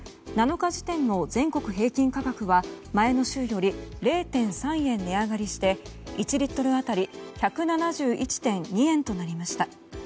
７日時点の全国平均価格は前の週より０．３円値上がりして１リットル当たり１７１．２円となりました。